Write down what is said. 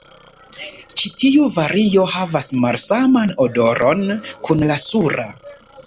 Ĉi tiu vario havas malsaman odoron kun la sura.